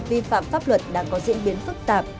vi phạm pháp luật đang có diễn biến phức tạp